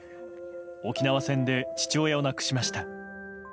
沖縄戦で父親を亡くしました。